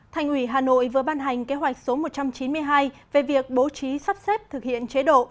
thành ủy hà nội vừa ban hành kế hoạch số một trăm chín mươi hai về việc bố trí sắp xếp thực hiện chế độ